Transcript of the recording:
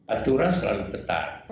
aturan selalu ketat